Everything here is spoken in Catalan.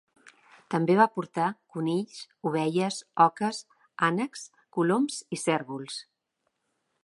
També va portar conills, ovelles, oques, ànecs, coloms i cérvols.